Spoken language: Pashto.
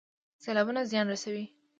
سیلابونه زیان رسوي